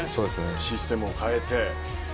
システムを変えて。